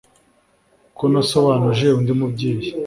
ko nasobanuje undi mubyeyi